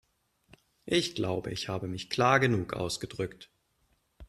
Ich glaube, ich habe mich klar genug ausgedrückt.